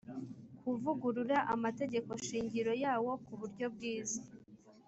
kuvugurura amategeko shingiro yawo ku buryo bwiza